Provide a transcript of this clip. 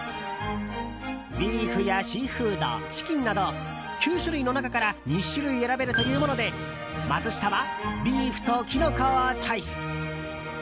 ビーフやシーフード、チキンなど９種類の中から２種類選べるというものでマツシタはビーフとキノコをチョイス。